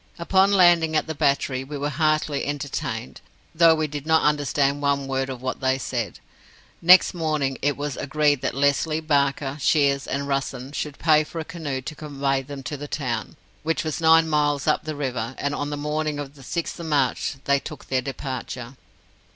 Upon landing at the battery, we were heartily entertained, though we did not understand one word of what they said. Next morning it was agreed that Lesly, Barker, Shiers, and Russen should pay for a canoe to convey them to the town, which was nine miles up the river; and on the morning of the 6th March they took their departure.